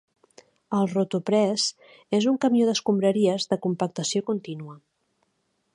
El Rotopress és un camió d'escombraries de compactació contínua.